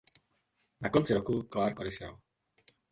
Na konci roku Clarke odešel.